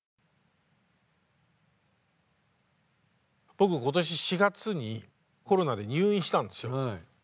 僕今年４月にコロナで入院したんですよ。